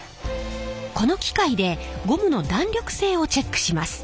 この機械でゴムの弾力性をチェックします。